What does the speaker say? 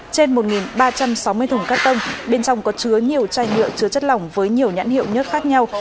trên một ba trăm sáu mươi thùng cắt tông bên trong có chứa nhiều chai nhựa chứa chất lỏng với nhiều nhãn hiệu nhất khác nhau